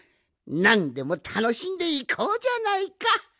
なんでもたのしんでいこうじゃないか！